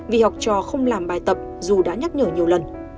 vì học trò không làm bài tập dù đã nhắc nhở nhiều lần